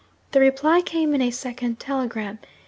The reply came in a second telegram.